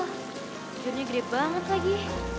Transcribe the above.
akhirnya gede banget lagi